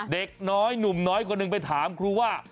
เด็กน้อยหนุ่มน้อยคนหนึ่งไปถามครูว่า